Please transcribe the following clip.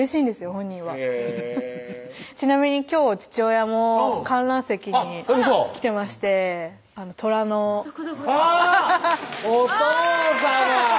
本人はちなみに今日父親も観覧席に来てまして虎のあぁっお父さま！